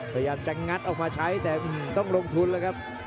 พยายามจะงัดออกมาใช้แต่อื้อฮือต้องลงทุนเลยครับ